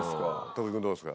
徳井君どうですか？